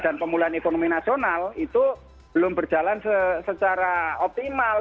dan pemulihan ekonomi nasional itu belum berjalan secara optimal